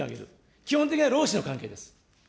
基本的には労使の関係です。